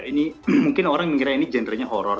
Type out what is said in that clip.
ini mungkin orang mengira ini jendernya horror